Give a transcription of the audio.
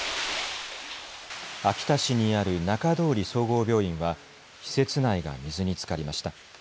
秋田市にある中通総合病院は施設内が水につかりました。